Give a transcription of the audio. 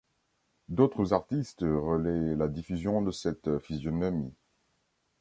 D'autres artistes relaient la diffusion de cette physionomie.